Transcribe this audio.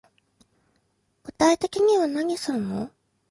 具体的には何すんの